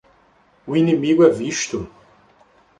O inimigo é visto!